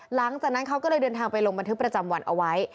หลังจากนั้นเขาก็เลยเดินทางไปลงบันทึกประจำวันเอาไว้